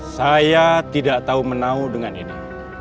saya tidak tahu menau dengan ini